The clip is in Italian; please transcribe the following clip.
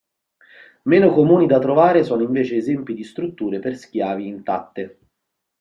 Meno comuni da trovare sono invece esempi di strutture per schiavi intatte.